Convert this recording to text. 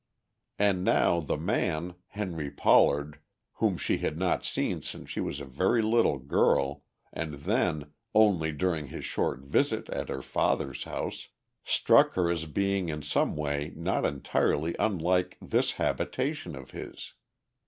And now the man. Henry Pollard, whom she had not seen since she was a very little girl and then only during his short visit at her father's house, struck her as being in some way not entirely unlike this habitation of his.